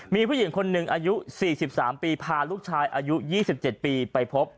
มีผู้หญิงคนนึงอายุสี่สิบสามปีพาลูกชายอายุยี่สิบเจ็ดปีไปพบ